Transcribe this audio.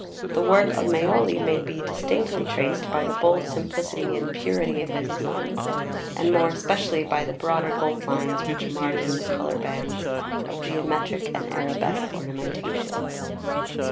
The work of Maioli may be distinctly traced by the bold simplicity and purity of his designs; and more especially by the broader gold lines which margin the coloured bands of geometric and arabesque ornamentation.